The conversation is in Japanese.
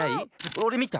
おれみた！